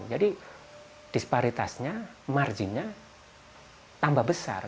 jadi disparitasnya marginnya tambah besar